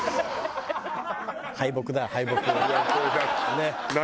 ねっ！